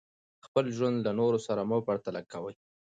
خپل ژوند له نورو سره مه پرتله کوئ.